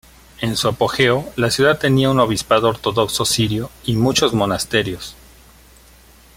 En su apogeo, la ciudad tenía un obispado ortodoxo sirio y muchos monasterios.